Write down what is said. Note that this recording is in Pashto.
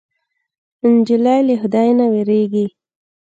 نجلۍ له خدای نه وېرېږي.